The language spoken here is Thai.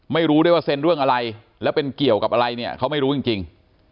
ไม่รู้ด้วยว่าเซ็นเรื่องอะไรแล้วเป็นเกี่ยวกับอะไรเนี่ยเขาไม่รู้จริง